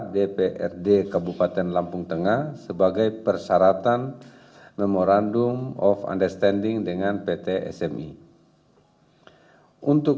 dprd kabupaten lampung tengah sebagai persyaratan nomor randum of understanding dengan pt smi untuk